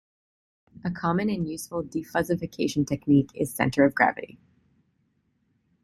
A common and useful defuzzification technique is "center of gravity".